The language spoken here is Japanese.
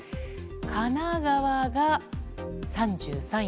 神奈川が３３位。